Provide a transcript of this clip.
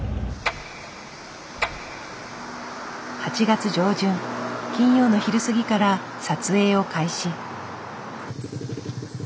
８月上旬金曜の昼過ぎから撮影を開始。